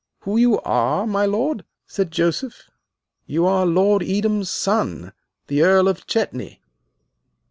"Who you are, my lord?" said Joseph. "You are Lord Edam's son, the Earl of Chetney."